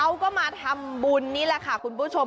เขาก็มาทำบุญนี่แหละค่ะคุณผู้ชม